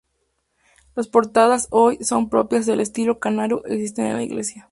Las portadas, hoy, son propias del estilo canario existente en la isla.